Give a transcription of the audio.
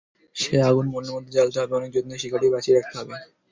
সেই আগুন মনের মধ্যে জ্বালতে হবে, অনেক যত্নে শিখাটি বাঁচিয়ে রাখতে হবে।